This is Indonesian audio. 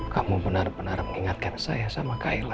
kamu benar benar mengingatkan saya sama kayla